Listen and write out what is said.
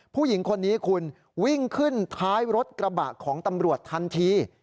ผู้หญิงคนนี้คุณวิ่งขึ้นท้ายรถกระบะของตำรวจทันที